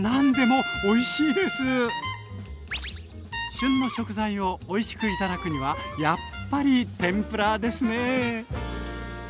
旬の食材をおいしくいただくにはやっぱり天ぷらですね。